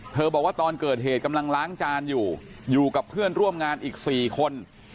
บอกว่าตอนเกิดเหตุกำลังล้างจานอยู่อยู่กับเพื่อนร่วมงานอีก๔คน